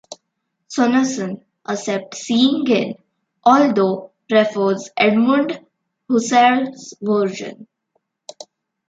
Sonesson accepts 'seeing-in', although prefers Edmund Husserl's version.